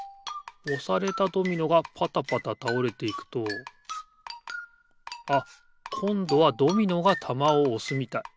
おされたドミノがぱたぱたたおれていくとあっこんどはドミノがたまをおすみたい。